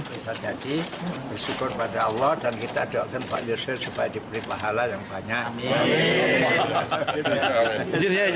bersyukur pada allah dan kita doakan pak jusril supaya diberi pahala yang banyak